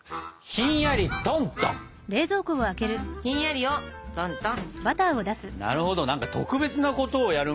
ひんやりしたものをトントン。